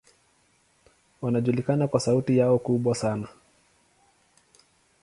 Wanajulikana kwa sauti yao kubwa sana.